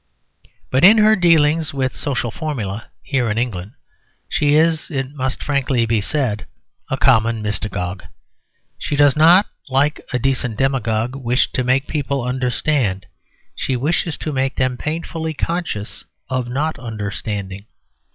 But in her dealings with social formulæ here in England she is, it must frankly be said, a common mystagogue. She does not, like a decent demagogue, wish to make people understand; she wishes to make them painfully conscious of not understanding.